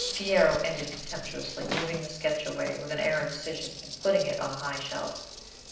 Piero ended contemptuously, moving the sketch away with an air of decision, and putting it on a high shelf.